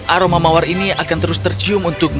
aroma mawar ini akan terus tercium